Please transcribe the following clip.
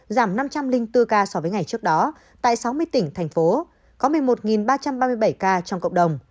giảm năm trăm linh bốn ca so với ngày trước đó tại sáu mươi tỉnh thành phố